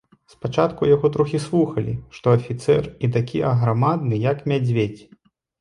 Спачатку яго троху слухалі, што афіцэр і такі аграмадны, як мядзведзь.